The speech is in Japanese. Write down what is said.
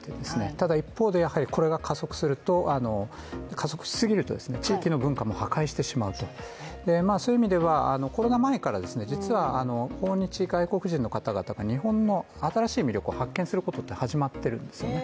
ただ一方で、これが加速すると加速しすぎると地域の文化も破壊してしまうと、そういう意味ではコロナ前から実は訪日外国人の方々が日本の新しい魅力を発見することって発見されているんですよね。